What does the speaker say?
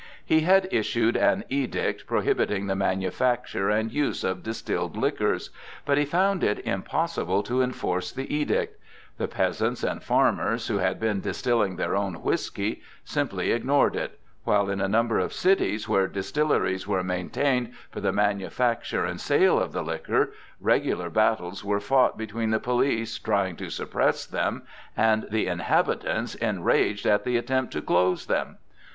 He had issued an edict prohibiting the manufacture and use of distilled liquors, but he found it impossible to enforce the edict: the peasants and farmers, who had been distilling their own whiskey, simply ignored it, while in a number of cities where distilleries were maintained for the manufacture and sale of the liquor, regular battles were fought between the police trying to suppress them, and the inhabitants enraged at the attempt to close them.